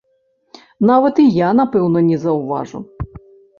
Нават і я, напэўна, не заўважу.